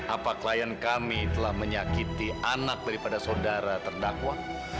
apa klien kami telah menyakiti anak daripada saudara terdakwa